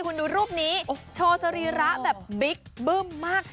คุณดูรูปนี้โชว์สรีระแบบบิ๊กบึ้มมาก